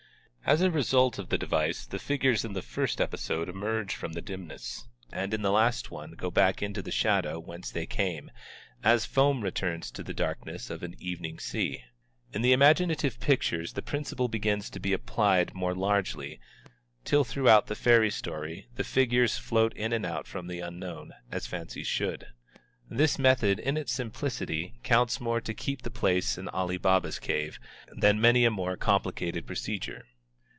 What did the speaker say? As a result of the device the figures in the first episode emerge from the dimness and in the last one go back into the shadow whence they came, as foam returns to the darkness of an evening sea. In the imaginative pictures the principle begins to be applied more largely, till throughout the fairy story the figures float in and out from the unknown, as fancies should. This method in its simplicity counts more to keep the place an Ali Baba's cave than many a more complicated procedure.